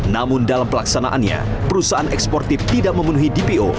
namun dalam pelaksanaannya perusahaan eksportif tidak memenuhi dpo